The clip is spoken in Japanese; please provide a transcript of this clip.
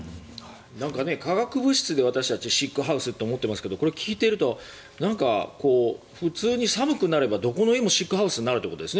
化学物質で私たち、シックハウスになると聞いていると普通に寒くなるとどこの家でもシックハウスになるということですよね。